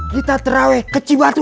kita terawih ke cibatu